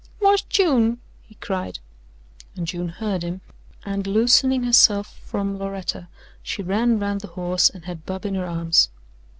"Whar's June?" he cried, and June heard him, and loosening herself from Loretta, she ran round the horse and had Bub in her arms.